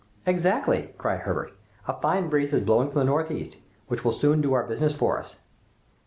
"Exactly!" cried Herbert, "a fine breeze is blowing from the northeast, which will soon do our business for us."